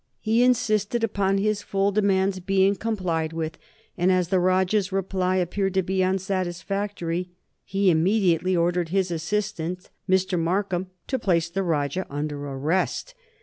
He insisted upon his full demands being complied with, and as the Rajah's reply appeared to be unsatisfactory he immediately ordered his assistant, Mr. Markham, to place the Rajah under arrest.